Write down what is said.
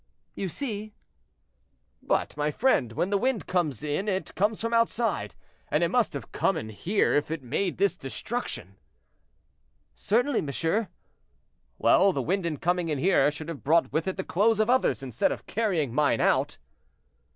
"You see." "But, my friend, when the wind comes in it comes from outside, and it must have come in here if it made this destruction." "Certainly, monsieur." "Well, the wind in coming in here should have brought with it the clothes of others, instead of carrying mine out."